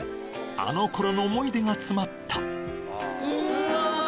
・あの頃の思い出が詰まったんま！